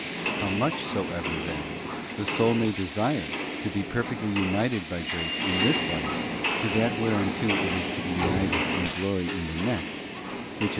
How much soever, then, the soul may desire to be perfectly united by grace in this life to that whereunto it is, to be united in glory in the next, which as 8.